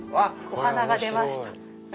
お花が出ました。